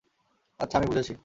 আচ্ছা, আমি বুঝেছি।